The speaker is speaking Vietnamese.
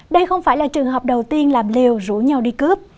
đây không phải là trường hợp đầu tiên làm liều rủ nhau đi cướp